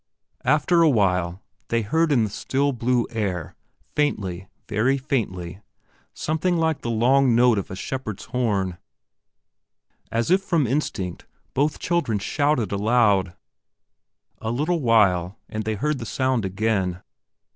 After awhile they heard in the still blue air faintly, very faintly, something like the long note of a shepherd's horn. As if from instinct, both children shouted aloud. A little while, and they heard the sound again.